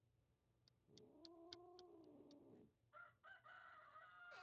vita vya pili vya duniani vilifuatia